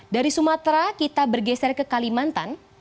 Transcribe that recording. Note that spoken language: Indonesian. dari sumatera kita bergeser ke kalimantan